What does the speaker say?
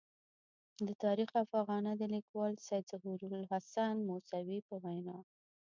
د تاریخ افاغنه د لیکوال سید ظهور الحسین موسوي په وینا.